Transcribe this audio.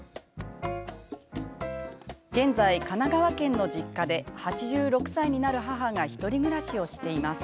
現在、神奈川県の実家で８６歳になる母が１人暮らしをしています。